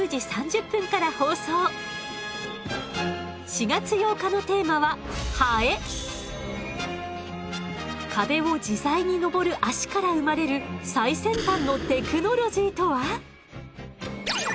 ４月８日のテーマは壁を自在に登る脚から生まれる最先端のテクノロジーとは？